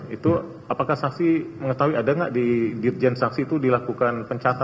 itu apakah saksi mengetahui ada nggak di dirjen saksi itu dilakukan pencatatan